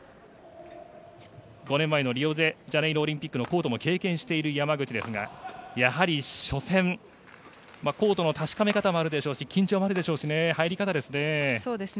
５年前のリオデジャネイロオリンピックも経験している山口ですが初戦、コートの確かめ方もあるでしょうし緊張もあるでしょうし入り方ですね。